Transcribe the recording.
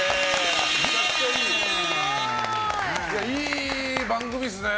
いい番組ですね。